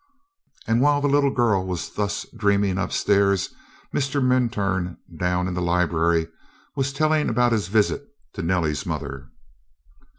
And while the little girl was thus dreaming upstairs, Mr. Minturn down in the library was telling about his visit to Nellie's mother.